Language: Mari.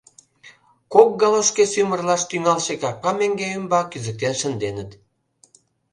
Кок калошге сӱмырлаш тӱҥалше капка меҥге ӱмбак кӱзыктен шынденыт.